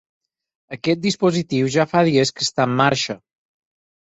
Aquest dispositiu ja fa dies que està en marxa.